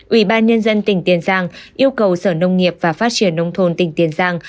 ubnd tỉnh tiền giang yêu cầu sở nông nghiệp và phát triển nông thôn tỉnh tiền giang